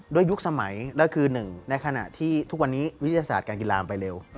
ยุคสมัยแล้วคือหนึ่งในขณะที่ทุกวันนี้วิทยาศาสตร์การกีฬามันไปเร็ว